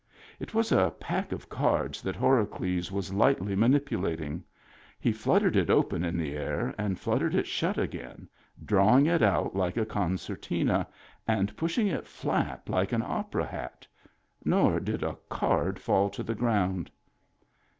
It was a pack of cards that Horacles was lightly manipulating. He fluttered it open in the air and fluttered it shut again, drawing it out like a con certina and pushing it flat like an opera hat — nor did a card fall to the ground.